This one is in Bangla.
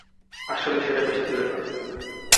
আসলেই সেটা বেশি দূরে নয়।